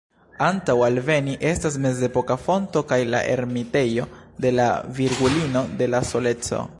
Antaŭ alveni, estas mezepoka fonto kaj la ermitejo de la Virgulino de la Soleco.